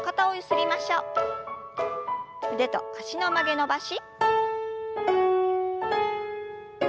腕と脚の曲げ伸ばし。